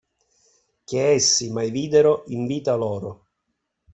Che essi mai videro in vita loro.